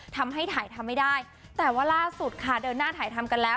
ทำให้ถ่ายทำไม่ได้แต่ว่าล่าสุดค่ะเดินหน้าถ่ายทำกันแล้ว